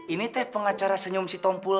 ini teh pengacara senyum si tompul teh